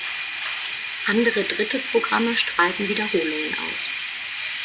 Andere dritte Programme strahlten Wiederholungen aus.